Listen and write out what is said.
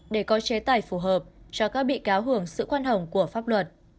để coi chế tài phù hợp cho các bị cáo hưởng sự quan hồng của pháp luật